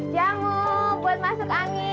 jamu buut masuk angin